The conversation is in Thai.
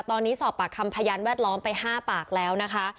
ตอนนี้สอบปากคำพยานแวดล้อมไป๕ปากแล้วนะคะ